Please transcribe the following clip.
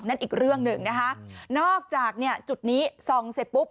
อีกเรื่องหนึ่งนะคะนอกจากเนี่ยจุดนี้ส่องเสร็จปุ๊บ